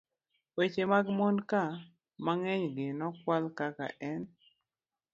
weche mag mon ka, ma ng'eny gi nokwal kaka en